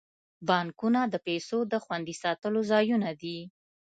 بانکونه د پیسو د خوندي ساتلو ځایونه دي.